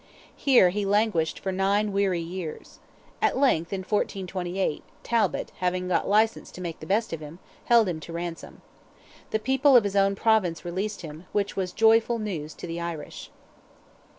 Here he languished for nine weary years. At length, in 1428, Talbot, having "got license to make the best of him," held him to ransom. The people of his own province released him, "which was joyful news to the Irish."